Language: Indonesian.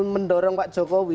mendorong pak jokowi